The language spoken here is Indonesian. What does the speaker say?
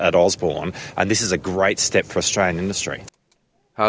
dan juga di rumah di kerajaan amerika